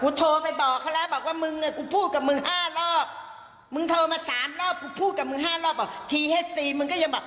กูโทรไปบอกเขาแล้วบอกว่าลืมนี่แต่กูพูดกับมึงห้ารอบ